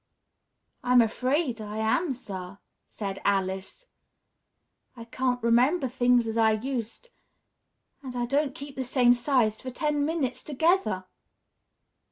"I'm afraid, I am, sir," said Alice. "I can't remember things as I used and I don't keep the same size for ten minutes together!"